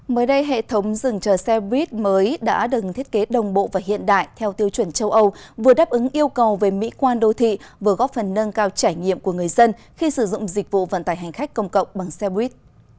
mới đây hệ thống rừng chờ xe buýt mới đã đừng thiết kế đồng bộ và hiện đại theo tiêu chuẩn châu âu vừa đáp ứng yêu cầu về mỹ quan đô thị vừa góp phần nâng cao trải nghiệm của người dân khi sử dụng dịch vụ vận tải hành khách công cộng bằng xe buýt